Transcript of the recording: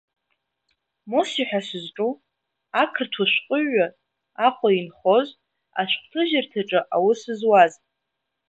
Мосе ҳәа сызҿу, ақырҭуа шәҟәыҩҩы, Аҟәа инхоз, ашәҟәҭыжьырҭаҿы аус зуаз…